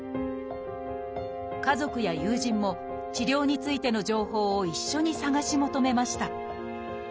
家族や友人も治療についての情報を一緒に探し求めました。